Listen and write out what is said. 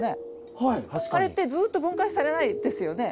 あれってずっと分解されないですよね。